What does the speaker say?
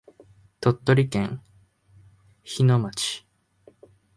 鳥取県日野町